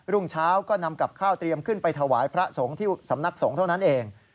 รุ่งเช้าก็นำกับข้าวเตรียมขึ้นไปถวายพระสงฆ์ที่สำนักสงฆ์เท่านั้นเอง